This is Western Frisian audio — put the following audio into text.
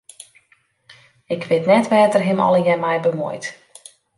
Ik wit net wêr't er him allegearre mei bemuoit.